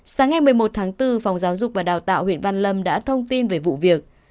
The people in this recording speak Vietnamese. sáng ngày một mươi một tháng bốn phòng giáo dục và đào tạo huyện văn lâm đã thông tin về vụ việc